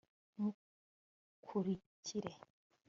ntukurikire